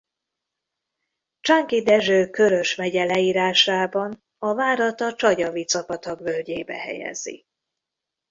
Csánki Dezső Körös megye leírásában a várat a Csagyavica-patak völgyébe helyezi.